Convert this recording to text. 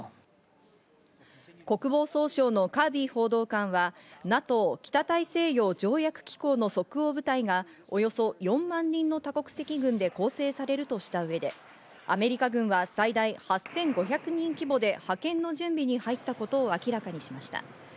国防総省のカービー報道官はＮＡＴＯ＝北大西洋条約機構の即応部隊がおよそ４万人の多国籍軍で構成されるとした上で、アメリカ軍は最大８５００人規模で派遣の準備に入ったことを明らかにしました。